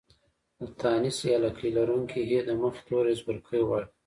د تانيث يا لکۍ لرونکې ۍ د مخه توری زورکی غواړي.